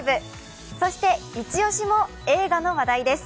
そしてイチ押しも映画の話題です。